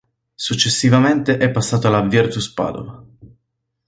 Successivamente è passato alla Virtus Padova.